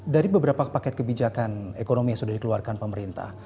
dari beberapa paket kebijakan ekonomi yang sudah dikeluarkan pemerintah